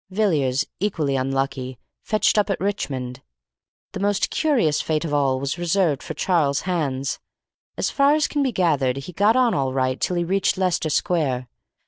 Villiers, equally unlucky, fetched up at Richmond. The most curious fate of all was reserved for Charles Hands. As far as can be gathered, he got on all right till he reached Leicester Square.